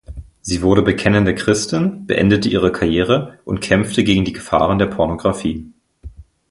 Sie wurde bekennende Christin, beendete ihre Karriere und kämpfte gegen die Gefahren der Pornografie.